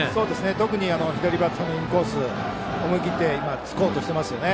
特に左バッターへのインコースを思い切って突こうとしていましたね。